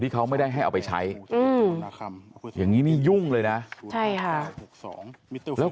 เขาไม่ได้ให้เอาไปใช้อย่างนี้นี่ยุ่งเลยนะใช่ค่ะแล้ว